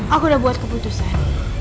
aku udah buat keputusan